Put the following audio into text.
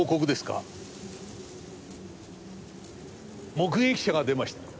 目撃者が出ました。